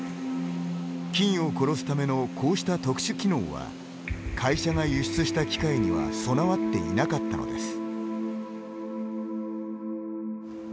菌を殺すためのこうした特殊機能は会社が輸出した機械には備わっていなかったのです。